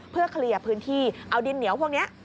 เพื่อเคลียร์พื้นที่เอาดินเหนียวพวกนี้